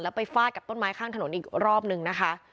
ไปฟาดกับต้นไม้ข้างถนนอีกรอบนึงนะคะ